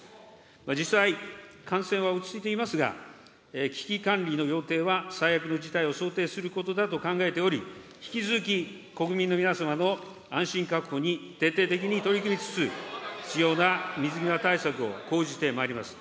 実際、感染は落ち着いていますが、危機管理の要諦は最悪の事態を想定することだと考えており、引き続き国民の皆様の安心確保に徹底的に取り組みつつ、必要な水際対策を講じてまいります。